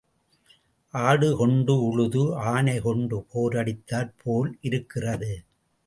ஆடு கொண்டு உழுது ஆனை கொண்டு போர் அடித்தாற் போல் இருக்கிறது.